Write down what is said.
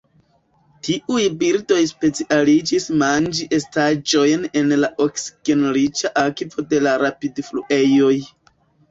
Tiuj birdoj specialiĝis manĝi estaĵojn en la oksigenriĉa akvo de la rapidfluejoj.